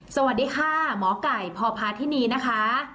สวัสดีค่ะหมอไก่พอภาษณ์ที่นี่นะคะ